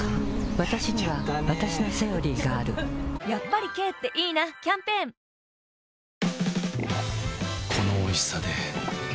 わたしにはわたしの「セオリー」があるやっぱり軽っていいなキャンペーンこのおいしさで